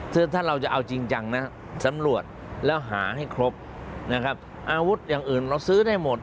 คือถ้าเราจะเอาจริงจังนะสำรวจแล้วหาให้ครบนะครับอาวุธอย่างอื่นเราซื้อได้หมด